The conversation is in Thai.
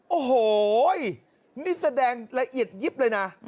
โอ้โหนี่แสดงละเอียดยิบเลยนะ